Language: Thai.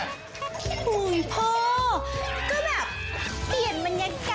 โอ้โฮพ่อเปลี่ยนบรรยากาศให้